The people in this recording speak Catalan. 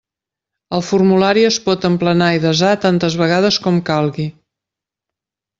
El formulari es pot emplenar i desar tantes vegades com calgui.